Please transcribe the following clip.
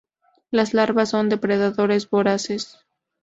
Las larvas son depredadores voraces.